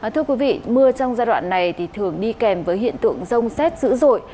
thưa quý vị mưa trong giai đoạn này thì thường đi kèm với hiện tượng rông xét dữ dội